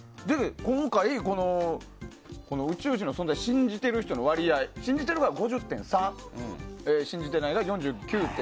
今回、宇宙人の存在を信じている人の割合信じているが５０．３％信じてない人が４９．７％。